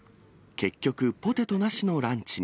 結局ポテトなしのランチに。